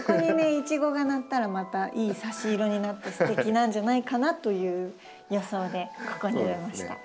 イチゴがなったらまたいい差し色になってすてきなんじゃないかなという予想でここに植えました。